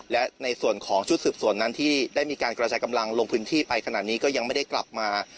และในส่วนของชุดสืบสวนนั้นที่ได้มีการกระจายกำลังลงพื้นที่ไปขนาดนี้ก็ยังไม่ได้กลับมา